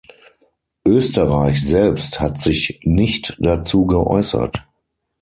Oesterreich selbst hat sich nicht dazu geäußert.